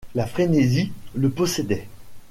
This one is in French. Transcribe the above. La frénésie le possédait.